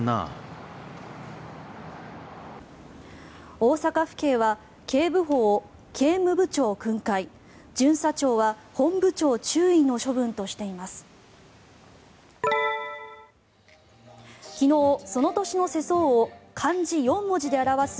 大阪府警は警部補を警務部長訓戒巡査長は本部長注意の処分としています。